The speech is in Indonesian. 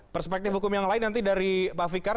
perspektif hukum yang lain nanti dari pak fikar